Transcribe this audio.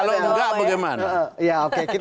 kalau tidak bagaimana